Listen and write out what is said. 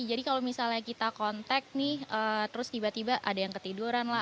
jadi kalau misalnya kita kontak nih terus tiba tiba ada yang ketiduran lah